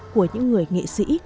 của những người nghệ sĩ